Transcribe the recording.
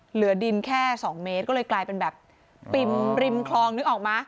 เหลือดินแค่๒เมตรก็เลยกลายเป็นแบบปิ่มริมคลองนึกออกมั้